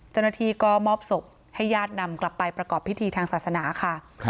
เจ้าหน้าที่ก็มอบศพให้ญาตินำกลับไปประกอบพิธีทางศาสนาค่ะ